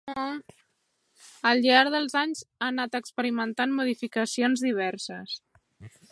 Al llarg dels anys ha anat experimentant modificacions diverses.